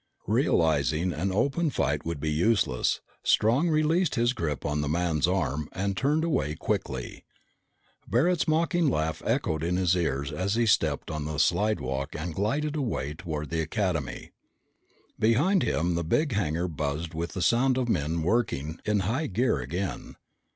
Realizing an open fight would be useless, Strong released his grip on the man's arm and turned away quickly. Barret's mocking laugh echoed in his ears as he stepped on the slidewalk and glided away toward the Academy. Behind him, the big hangar buzzed with the sound of men working in high gear again.